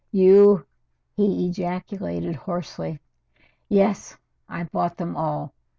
"You " he ejaculated hoarsely. "Yes, I bought them all.